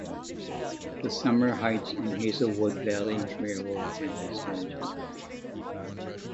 The Sumner Heights and Hazelwood Valley Railroad and Vicinity.